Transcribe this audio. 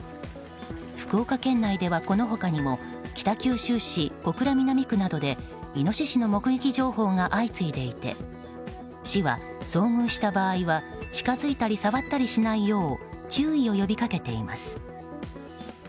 福岡県内ではこの他にも北九州市小倉南区などでイノシシの目撃情報が相次いでいて市は遭遇した場合は近づいたり触ったりしないよう注意を呼び掛けています。